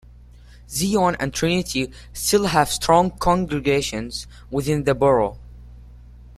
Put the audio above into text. Zion and Trinity still have strong congregations within the Borough.